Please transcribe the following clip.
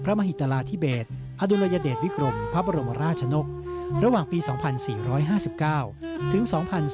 มหิตราธิเบศอดุลยเดชวิกรมพระบรมราชนกระหว่างปี๒๔๕๙ถึง๒๔